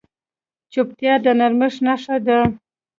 چوپتیا، د نرمښت نښه ده.